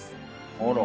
あら。